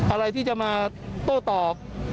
อะไรที่จะมาโต้ตอบ